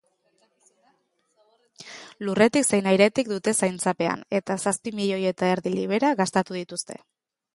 Lurretik zein airetik dute zaintzapean eta zazpi milioi eta erdi libera gastatu dituzte.